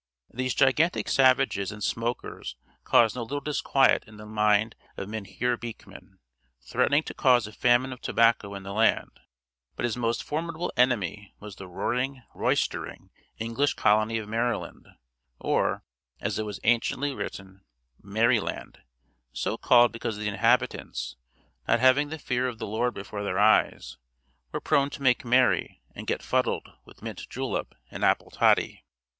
" These gigantic savages and smokers caused no little disquiet in the mind of Mynheer Beekman, threatening to cause a famine of tobacco in the land; but his most formidable enemy was the roaring, roistering English colony of Maryland, or, as it was anciently written, Merryland; so called because the inhabitants, not having the fear of the Lord before their eyes, were prone to make merry and get fuddled with mint julep and apple toddy.